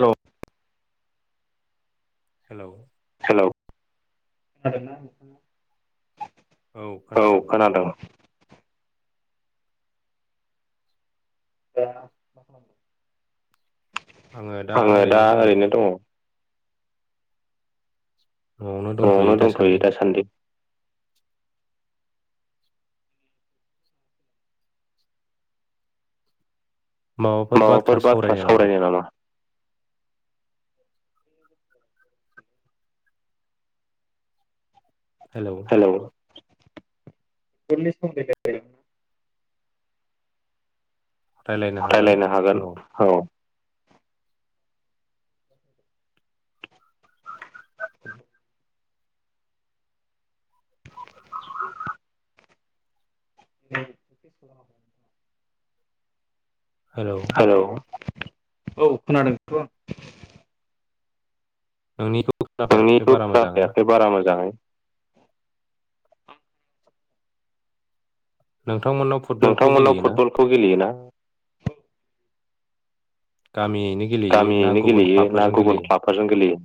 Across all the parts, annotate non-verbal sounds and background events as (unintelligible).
हेल' hello hello खोनादोंना औ खोनादों आङो दा ओरैनो दङ न'आवनो दंफ'यो दासान्दि माबाफोर बाथ्रा सावरायनो नामा? हेल' हेल' फायलायनो हागोन औ आ (unintelligible) हेल' हेल औ खोनादोंथ' नोंनिखौ खोनाबायाखै बारा मोजाङै बारा मोजां नोंथांमोननाव नोंथांमोननाव फुटबलखौ गेलेयोना? गामियैनो गेलेयो ना गुबुन क्लाबफोरजों गेलेयो फसन गेलेयो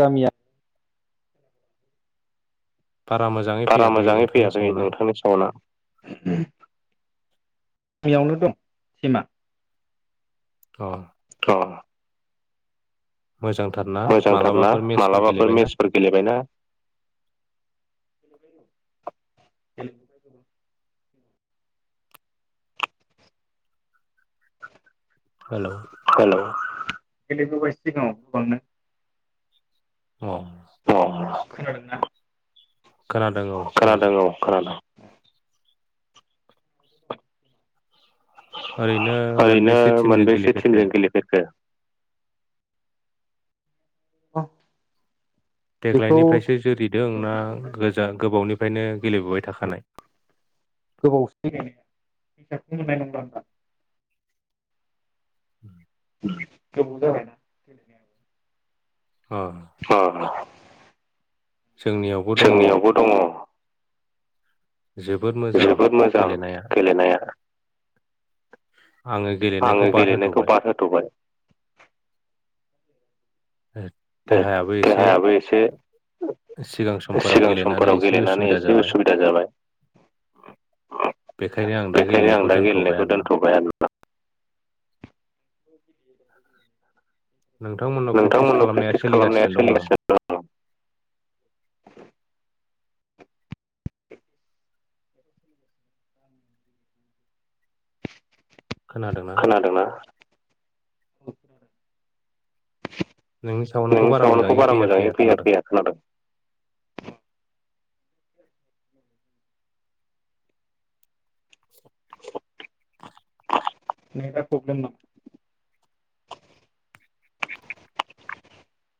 गामिया बारा मोजां बारा मोजाङै फैयाखै नोंथांनि सावना गियावनो दं मा अ अ मोजांथार मोजांथारना मालाबाफोर मेचफोर गेलेबायना हेल' हेल' गेलेबोबाय सिगाङाव गोबावनो अ अ खोनादोंना? खोनादों औ खोनादों। ओरैनो मोनबेसे टिमजों गेलेफेरखो? अ देग्लायनिफ्रायसो जुरिदों ना गोजा- गोबावनिफ्रायनो गेलेबोबाय थाखानाय गोबावसोलनाया फैसाखौ मोननाय नंलां ओम गोबाव जाबायना गेलनाया ओ अ जोंनियावबो दङ। जोबोद मो जोबोद मोजां गेलेनाया आङो गे आङो गेलेनायखौ बाद होथ'बाय। देहायाबो एसे सिगां समफोराव गेलेनानै एसे उसुबिदा जाबाय। ओम बेखायनो आं दा गेलेनायखौ दोनथ'बाय आरोना नोंथांमोननाव प्रेकटिस खालामनाया सोलिगासिनो दं नामा? खोनादोंना? नोंनि सावनखौ बारा मोजाङै फैया फैया खोनादों नेटा प्रब्लम नामा?